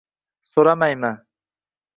So’ramayman: